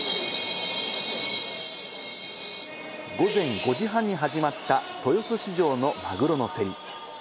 午前５時半に始まった豊洲市場のマグロの競り。